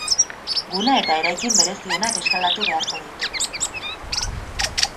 Gune eta eraikin berezienak eskalatu beharko ditu.